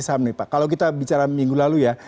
saham nih pak kalau kita bicara minggu lalu ya